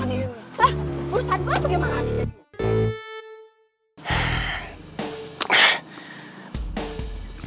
lah urusan gua bagaimana